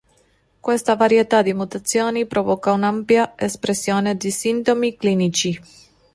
Questa varietà di mutazioni provoca un'ampia espressione di sintomi clinici.